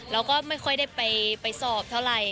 เราก็ไม่ค่อยได้ไปสอบเท่าไหร่